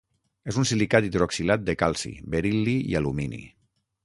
És un silicat hidroxilat de calci, beril·li i alumini.